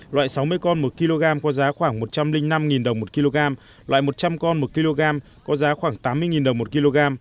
loại sáu mươi con một kg có giá khoảng một trăm linh năm đồng một kg loại một trăm linh con một kg có giá khoảng tám mươi đồng một kg